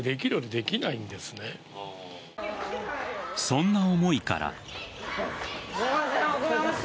そんな思いから。